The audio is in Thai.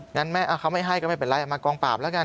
งั้นเขาไม่ให้ก็ไม่เป็นไรมากองปราบแล้วกัน